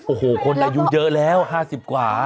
โอ้โหคนอายุเยอะแล้ว๕๐กว่า